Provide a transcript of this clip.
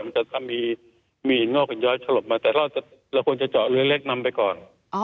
มันจะมีมีอินเงาะขึ้นย้อยฉลบมาแต่เราควรจะเจาะเลือดเล็กน้ำไปก่อน